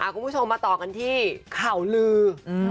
คุณผู้ชมมาต่อกันที่ข่าวลือ